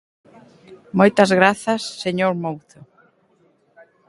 Moitas grazas, señor Mouzo.